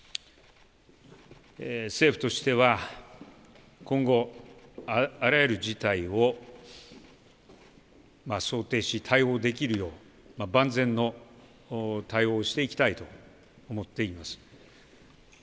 政府としては今後、あらゆる事態を想定し、対応できるよう、万全の対応をしていきたいと思っています。